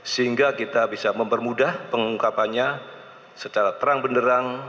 sehingga kita bisa mempermudah pengungkapannya secara terang benderang